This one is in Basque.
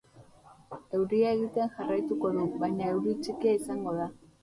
Euria egiten jarraituko du, baina euri txikia izango da.